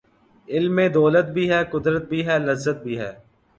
علم میں دولت بھی ہے ،قدرت بھی ہے ،لذت بھی ہے